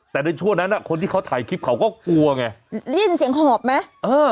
แต่ในช่วงนั้นอ่ะคนที่เขาถ่ายคลิปเขาก็กลัวไงได้ยินเสียงหอบไหมเออ